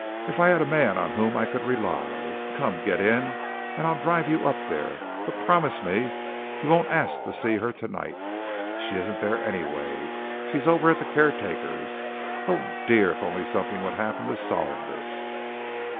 If I had a man on whom I could rely! Come, get in, and I'll drive you up there, but promise me you won't ask to see her tonight. She isn't there, anyway. She's over at the caretaker's. Oh, dear, if only something would happen to solve this!"